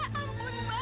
aduh sakit mak